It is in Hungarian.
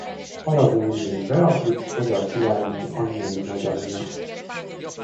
Aragóniai Beatrix magyar királyné anyai nagyanyja.